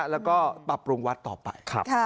แล้วก็ปรับปรุงวัดต่อไป